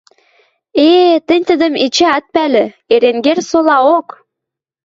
— Э, тӹнь тӹдӹм эче ат пӓлӹ, Эренгер солаок.